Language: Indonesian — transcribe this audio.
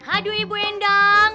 aduh ibu endang